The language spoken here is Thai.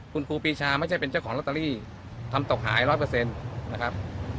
คุณครูปีชาไม่ใช่เป็นเจ้าของลัตเตอรี่ทำตกหายร้อยเปอร์เซ็นต์นะครับ